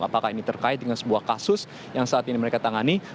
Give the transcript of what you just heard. apakah ini terkait dengan sebuah kasus yang saat ini mereka tangani